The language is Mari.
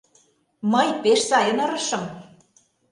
— Мый пеш сайын ырышым!